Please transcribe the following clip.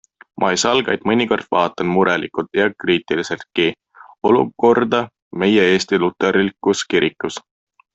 Ma ei salga, et mõnikord vaatan murelikult ja kriitiliseltki olukorda meie Eesti luterlikus kirikus.